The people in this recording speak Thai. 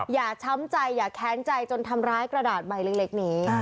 ช้ำใจอย่าแค้นใจจนทำร้ายกระดาษใบเล็กนี้